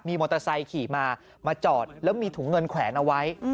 มอเตอร์ไซค์ขี่มามาจอดแล้วมีถุงเงินแขวนเอาไว้